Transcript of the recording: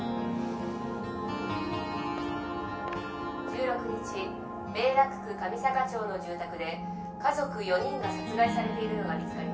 「１６日明楽区神坂町の住宅で家族４人が殺害されているのが見つかりました」